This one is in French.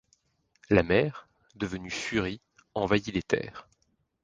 La mer, devenue furie, envahit les terres.